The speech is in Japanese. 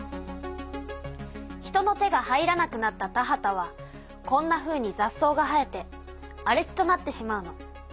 人の手が入らなくなった田畑はこんなふうにざっ草が生えてあれ地となってしまうの。